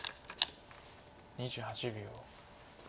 ２８秒。